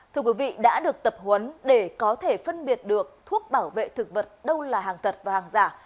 thưa quý vị đã được tập huấn để có thể phân biệt được thuốc bảo vệ thực vật đâu là hàng thật và hàng giả